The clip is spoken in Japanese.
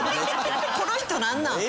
この人なんなん？